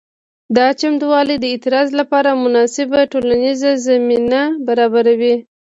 دا چمتووالي د اعتراض لپاره مناسبه ټولنیزه زمینه برابروي.